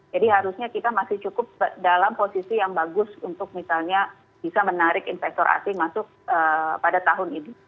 jadi harusnya kita masih cukup dalam posisi yang bagus untuk misalnya bisa menarik investor asing masuk pada tahun ini